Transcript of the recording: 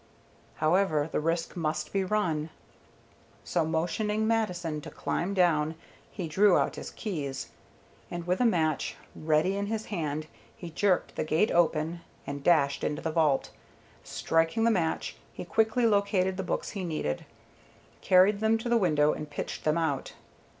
However, the risk must be run, so motioning Mattison to climb down he drew out his keys, and with a match ready in his hand he jerked the gate open and dashed into the vault. Striking the match, he quickly located the books he needed, carried them to the window and pitched them out.